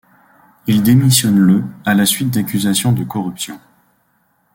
Il démissionne le à la suite d'accusations de corruption.